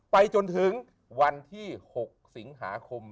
ไปจนถึงวันที่๖สิงหาคม